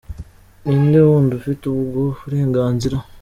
Ni inde wundi ufite ubwo burenganzira?